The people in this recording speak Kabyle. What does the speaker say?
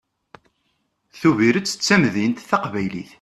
Tubiret d tamdint taqbaylit.